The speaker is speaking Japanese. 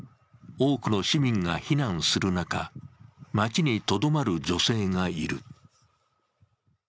多くの市民が避難する中街にとどまる女性がいる。